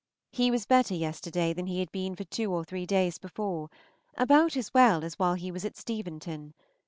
He was better yesterday than he had been for two or three days before, about as well as while he was at Steventon.